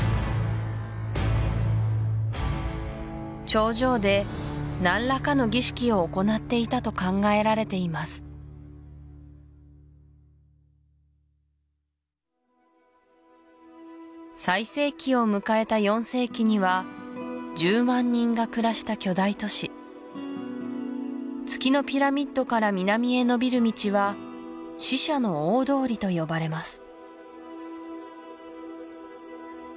頂上で何らかの儀式を行っていたと考えられています最盛期を迎えた４世紀には１０万人が暮らした巨大都市月のピラミッドから南へ延びる道は死者の大通りと呼ばれます